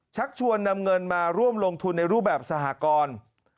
ชักชวนนำเงินมาร่วมลงทุนในรูปแบบสหกร